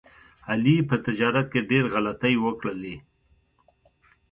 علي په تجارت کې ډېر غلطۍ وکړلې.